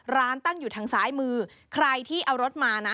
ร้านตั้งอยู่ทางซ้ายมือใครที่เอารถมานะ